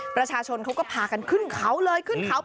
ประชาชนก็พากันขึ้นเขาเลย